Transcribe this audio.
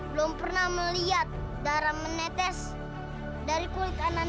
belum pernah melihat darah menetes dari kulit ananda